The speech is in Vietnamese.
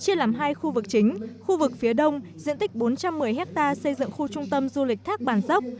chia làm hai khu vực chính khu vực phía đông diện tích bốn trăm một mươi hectare xây dựng khu trung tâm du lịch thác bản dốc